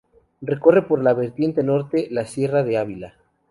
Recorre por la vertiente norte la Sierra de Ávila.